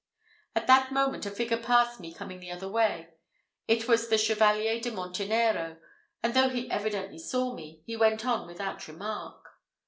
At that moment a figure passed me coming the other way; it was the Chevalier de Montenero, and though he evidently saw me, he went on without remark.